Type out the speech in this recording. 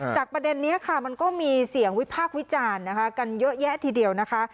ประเด็นนี้ค่ะมันก็มีเสียงวิพากษ์วิจารณ์นะคะกันเยอะแยะทีเดียวนะคะ